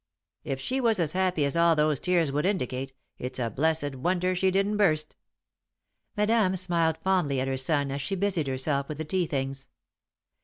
"If she was as happy as all those tears would indicate, it's a blessed wonder she didn't burst." Madame smiled fondly at her son as she busied herself with the tea things.